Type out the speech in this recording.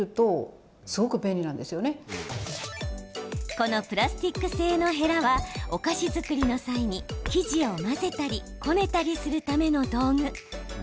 このプラスチック製のへらはお菓子作りの際に生地を混ぜたりこねたりするための道具。